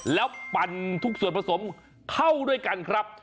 แล้วปั่นทุกส่วนผสมเข้าด้วยกันครับ